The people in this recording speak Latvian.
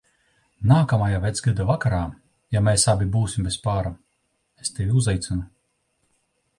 Nākamajā Vecgada vakarā, ja mēs abi būsim bez pāra, es tevi uzaicinu.